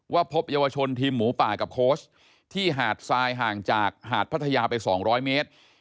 พบเยาวชนทีมหมูป่ากับโค้ชที่หาดทรายห่างจากหาดพัทยาไป๒๐๐เมตร